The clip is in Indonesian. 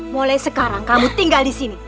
mulai sekarang kamu tinggal di sini